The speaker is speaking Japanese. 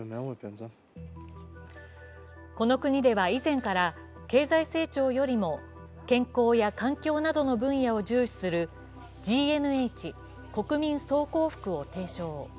この国では、以前から経済成長よりも健康や環境などの分野を重視する、ＧＮＨ＝国民総幸福を提唱。